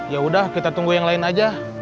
ya udah kita tunggu yang lain aja